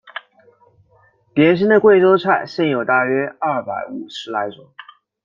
典型的贵州菜现有大约有二百五十来种。